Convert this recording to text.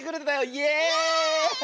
イエーイ！